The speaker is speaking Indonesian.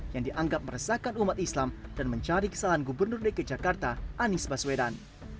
yang dianggap meresahkan umat islam dan mencari kesalahan gubernur dki jakarta anies baswedan